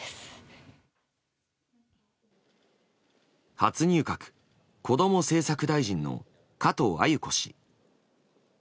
初入閣こども政策大臣の加藤鮎子氏。